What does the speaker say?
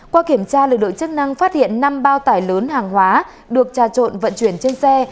qua kiểm tra lực lượng chức năng phát hiện năm bao tải lớn hàng hóa được trà trộn vận chuyển trên xe